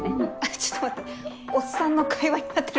ちょっと待っておっさんの会話になってるから。